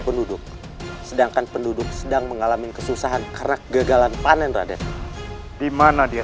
penduduk sedangkan penduduk sedang mengalami kesusahan karena kegagalan panen raden dimana dia